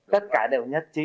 tất cả đều nhất trí